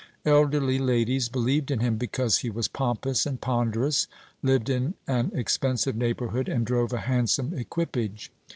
Elderly ladies believed in him because he was pompous and ponderous, lived in an expensive neighbourhood, and drove a handsome equipage.